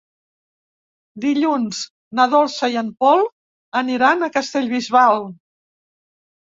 Dilluns na Dolça i en Pol aniran a Castellbisbal.